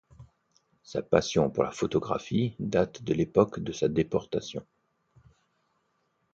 Sa passion pour la photographie date de l'époque de sa déportation.